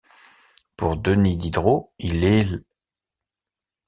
Pour Denis Diderot, il est l’.